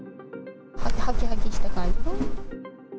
はきはきした感じ。